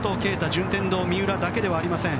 順天堂、三浦だけではありません。